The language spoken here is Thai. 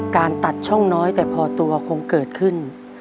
การตัดช่องน้อยแต่พอตัวคงเกิดขึ้น